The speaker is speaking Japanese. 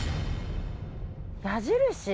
矢印？